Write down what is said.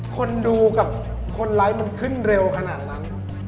คนดูกับคนร้ายมันขึ้นเร็วขนาดนั้น